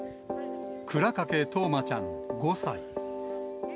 倉掛冬生ちゃん５歳。